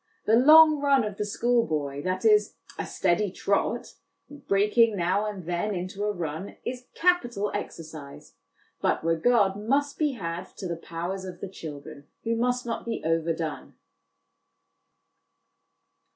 The ' long run ' of the schoolboy, that is, a steady trot, breaking now and then into a run, is capital exercise ; but regard must be had to the powers of the children, who must not be overdone.